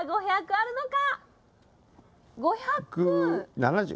あるのか？